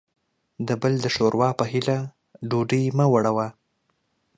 د بل د ښور وا په هيله ډوډۍ مه وړوه.